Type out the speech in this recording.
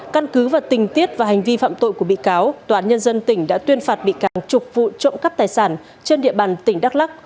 căn cứ và tình tiết và hành vi phạm tội của bị cáo tòa án nhân dân tỉnh đã tuyên phạt bị càng chục vụ trộm cắp tài sản trên địa bàn tỉnh đắk lắc